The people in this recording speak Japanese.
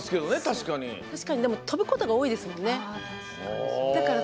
確かに跳ぶことが多いですもんね。